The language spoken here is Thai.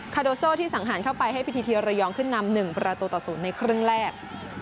คาโดโซ่ที่สั่งหารเข้าไปให้พีทีทีระยงขึ้นนำนึงประตูต่อสูตรในครึ่งแรก